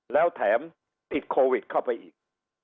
แล้วแถมติดโควิดเข้าไปอีก